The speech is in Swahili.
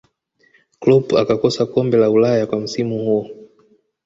kloop akakosa kombe la ulaya kwa msimu huo